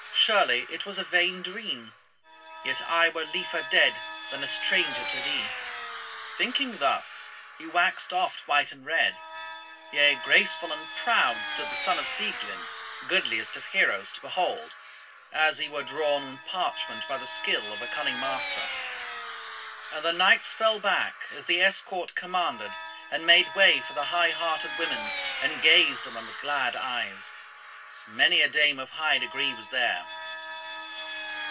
Surely it was a vain dream; yet I were liefer dead than a stranger to thee." Thinking thus he waxed oft white and red; yea, graceful and proud stood the son of Sieglind, goodliest of heroes to behold, as he were drawn on parchment by the skill of a cunning master. And the knights fell back as the escort commanded, and made way for the high hearted women, and gazed on them with glad eyes. Many a dame of high degree was there.